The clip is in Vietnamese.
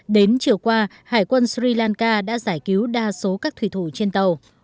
đến chiều qua hải quân sri lanka đã giải cứu đa số các thủy thủ trên tàu